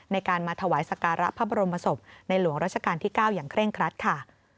ในการมาถวายสการะพระบรมศพในหลวงราชการที่๙อย่างเร่งครัดค่ะ